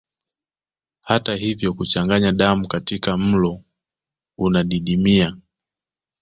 Hata hivyo kuchanganya damu katika mlo unadidimia